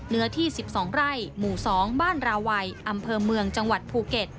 เนื้อที่๑๒ไร่หมู่๒บ้านราวัยอำเภอเมืองจังหวัดภูเก็ต